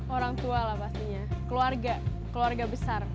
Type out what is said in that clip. orang tua lah pastinya keluarga keluarga besar